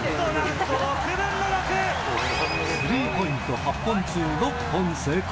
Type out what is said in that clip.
スリーポイント８本中６本成功。